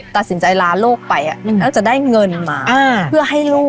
ตัดสินใจลาโลกไปแล้วจะได้เงินมาเพื่อให้ลูก